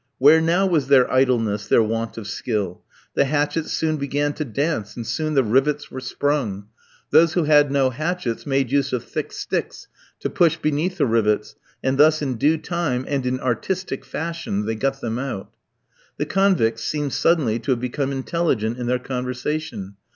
Where now was their idleness, their want of skill? The hatchets soon began to dance, and soon the rivets were sprung. Those who had no hatchets made use of thick sticks to push beneath the rivets, and thus in due time and in artistic fashion, they got them out. The convicts seemed suddenly to have become intelligent in their conversation.